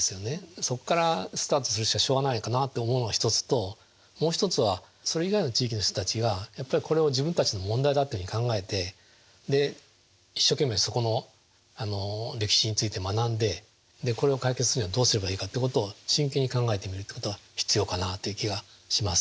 そこからスタートするしかしょうがないかなと思うのが一つともう一つはそれ以外の地域の人たちがやっぱりこれを自分たちの問題だっていうふうに考えてで一生懸命そこの歴史について学んでこれを解決するにはどうすればいいかってことを真剣に考えてみるってことが必要かなっていう気がします。